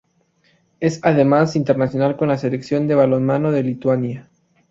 Es además internacional con la Selección de balonmano de Lituania.